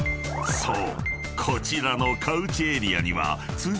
［そう。